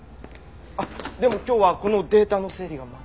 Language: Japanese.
あっでも今日はこのデータの整理がまだ。